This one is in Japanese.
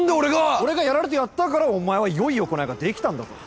俺がやられてやったからお前はよい行いができたんだぞ。